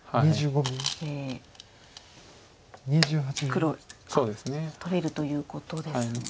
黒が取れるということですよね。